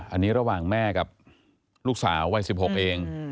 อันนี้ระหว่างแม่กับลูกสาววัย๑๖เอง